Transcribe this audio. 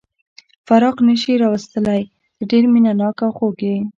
فراق نه شي راوستلای، ته ډېر مینه ناک او خوږ یې.